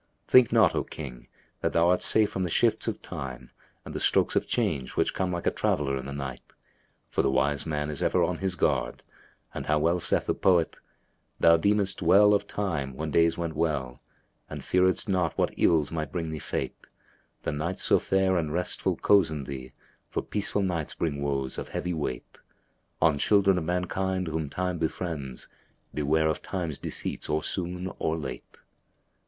Think not, O King, that thou art safe from the shifts of Time and the strokes of Change which come like a traveller in the night; for the wise man is ever on his guard and how well saith the poet, 'Thou deemedst well of Time when days went well, * And fearedst not what ills might bring thee Fate: The Nights so fair and restful cozened thee, * For peaceful Nights bring woes of heavy weight. Oh children of mankind whom Time befriends, * Beware of Time's deceits or soon or late!'''